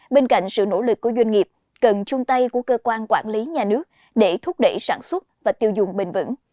bên cạnh sự nỗ lực của doanh nghiệp cần chung tay của cơ quan quản lý nhà nước để thúc đẩy sản xuất và tiêu dùng bình vững